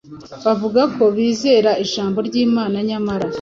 bavuga ko bizera Ijambo ry’Imana nyamara